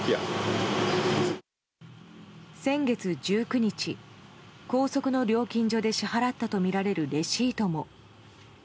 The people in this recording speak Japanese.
先月１９日、高速の料金所で支払ったとみられるレシートも。